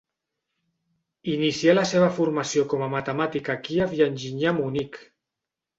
Inicià la seva formació com a matemàtic a Kíev i enginyer a Munic.